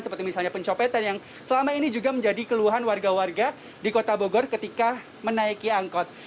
seperti misalnya pencopetan yang selama ini juga menjadi keluhan warga warga di kota bogor ketika menaiki angkot